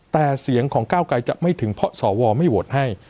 แต่เสียงของก้าวไกรจะไม่ถึงเพราะสวไม่โหวตให้